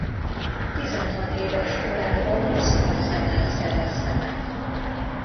Tizenhat éves korában az Arsenal szerezte meg.